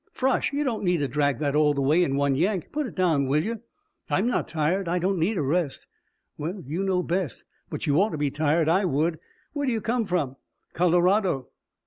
Frosh! You don't need to drag that all the way in one yank. Put it down, will you?" "I'm not tired. I don't need a rest." "Well, you know best but you ought to be tired. I would. Where do you come from?" "Colorado."